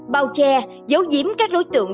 bao che giấu diễm các đối tượng